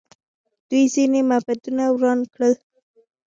دوی ځینې معبدونه وران کړل